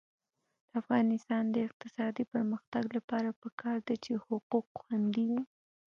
د افغانستان د اقتصادي پرمختګ لپاره پکار ده چې حقوق خوندي وي.